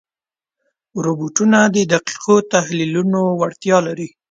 روبوټونه د دقیقو تحلیلونو وړتیا لري.